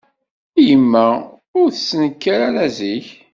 Yemma ur d-tettnekkar ara zik.